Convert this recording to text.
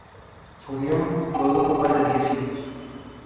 Su unión produjo más de diez hijos.